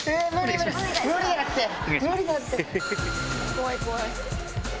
怖い怖い。